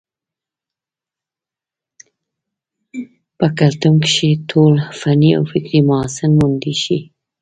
پۀ کلتم کښې ټول فني او فکري محاسن موندے شي